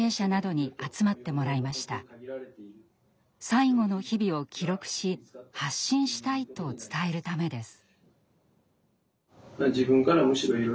最期の日々を記録し発信したいと伝えるためです。